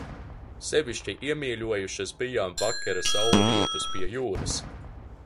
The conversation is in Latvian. Sevišķi iemīļojušas bijām vakara saulrietus pie jūras.